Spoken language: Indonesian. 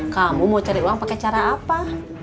kamu mau cari uang pakai cara apa